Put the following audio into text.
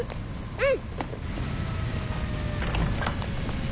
うん。